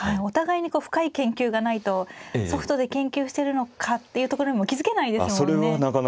お互いに深い研究がないとソフトで研究してるのかっていうところにも気付けないですもんね。